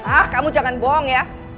ah kamu jangan bohong ya